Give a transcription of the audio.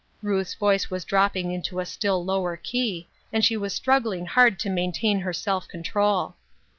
Ruth's voice was dropping into a still lower key, and she was struggling hard to maintain her self control.